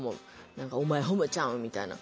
「お前ホモちゃうん」みたいな。